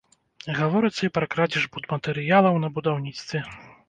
Гаворыцца і пра крадзеж будматэрыялаў на будаўніцтве.